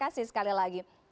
terima kasih sekali lagi